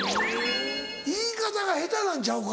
言い方が下手なんちゃうか？